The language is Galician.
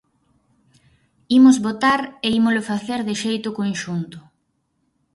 Imos votar, e ímolo facer de xeito conxunto.